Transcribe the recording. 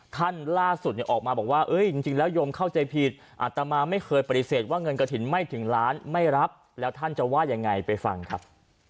ท่านล่าสุดออกมาบอกว่าจริงแล้วโยมเข้าใจผิดอัตมาไม่เคยปฏิเสธว่าเงินกระถิ่นไม่ถึงล้านไม่รับแล้วท่านจะว่ายังไงไปฟังครับ